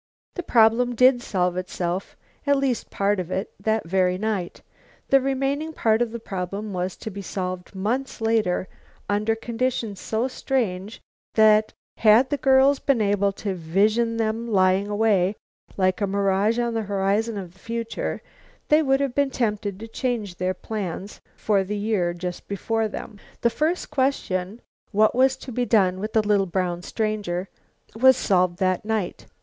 The problem did solve itself, at least part of it, that very night; the remaining part of the problem was to be solved months later under conditions so strange that, had the girls been able to vision them lying away, like a mirage on the horizon of the future, they would have been tempted to change their plans for the year just before them. The first question, what was to be done with the little brown stranger, was solved that night.